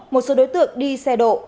một số đối tượng đi xe độ